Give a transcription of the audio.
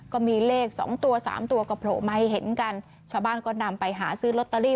ก็มีเลขสองตัวสามตัวก็โผล่มาให้เห็นกันชาวบ้านก็นำไปหาซื้อลอตเตอรี่